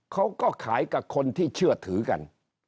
เขาก็ขายกับคนที่เชื่อถือกัน